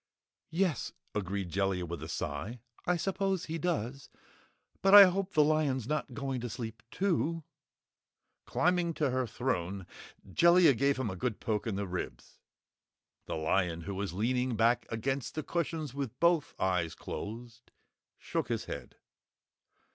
"Yes," agreed Jellia with a sigh, "I suppose he does. But I hope the lion's not going to sleep, too?" Climbing to her throne, Jellia gave him a good poke in the ribs. The lion, who was leaning back against the cushions with both eyes closed, shook his head.